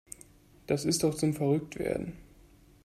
Das ist doch zum verrückt werden.